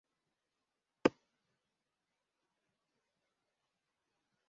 bugemije guumunsimire icy cyorezo